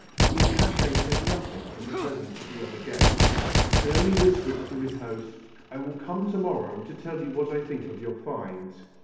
The attaché said nothing in the presence of the other guests, and only whispered to his host "I will come to morrow to tell you what I think of your find!"